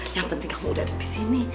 yang penting kamu udah ada di sini